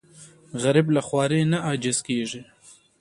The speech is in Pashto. غریب له خوارۍ نه عاجز نه کېږي